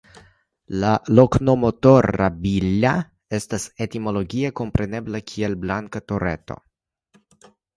La loknomo "Torralbilla" estas etimologie komprenebla kiel "Blanka Tureto".